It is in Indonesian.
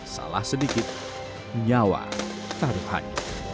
salah sedikit nyawa taruhan